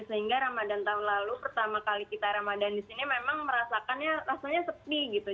sehingga ramadan tahun lalu pertama kali kita ramadan di sini memang merasakannya rasanya sepi gitu